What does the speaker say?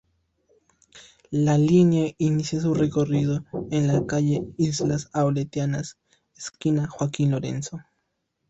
La línea inicia su recorrido en la calle Islas Aleutianas esquina Joaquín Lorenzo.